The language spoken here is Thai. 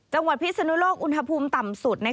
จังหวัดพิศนุโลกอุณหภูมิต่ำสุดนะคะ